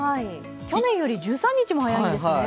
去年より１３日も早いんですね。